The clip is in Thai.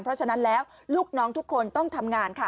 เพราะฉะนั้นแล้วลูกน้องทุกคนต้องทำงานค่ะ